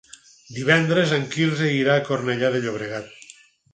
Divendres en Quirze irà a Cornellà de Llobregat.